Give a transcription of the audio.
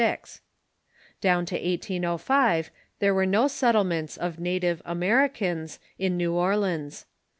Down to 1805 there Avere no settlements of native Americans in New Orleans.